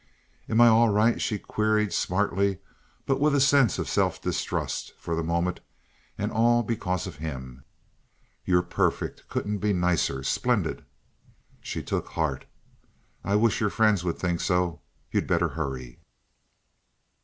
"Am I all right?" she queried, smartly, but with a sense of self distrust for the moment, and all because of him. "You're perfect. Couldn't be nicer. Splendid!" She took heart. "I wish your friends would think so. You'd better hurry."